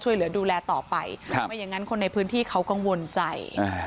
ช่วยเหลือดูแลต่อไปครับไม่อย่างนั้นคนในพื้นที่เขากังวลใจอ่า